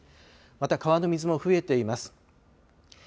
また川の水も増えています。